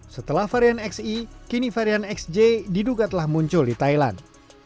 setelah varian xe kini varian xj diduga telah muncul di thailand